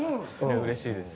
うれしいです。